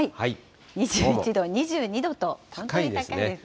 ２１度、２２度と、本当に高いですね。